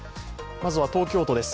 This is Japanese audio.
まずは東京都です。